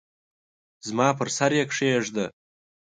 زما پر سر یې کښېږده !